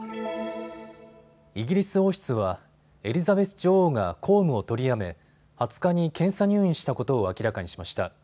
イギリス王室はエリザベス女王が公務を取りやめ２０日に検査入院したことを明らかにしました。